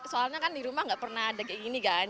soalnya kan di rumah nggak pernah ada kayak gini kan